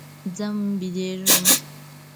ځم بيدېږم.